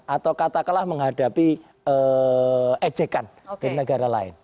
atau katakanlah menghadapi ejekan dari negara lain